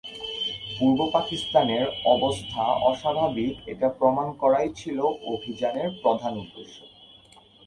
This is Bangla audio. পূর্ব পাকিস্তানের অবস্থা অস্বাভাবিক এটা প্রমাণ করাই ছিল অভিযানের প্রধান উদ্দেশ্য।